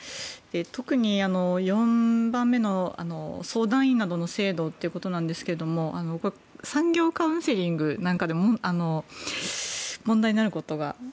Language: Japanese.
特に４番目、相談員などの制度ということなんですが産業カウンセリングなんかでも問題になることが。